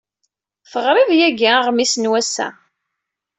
Teɣriḍ yagi aɣmis n wass-a.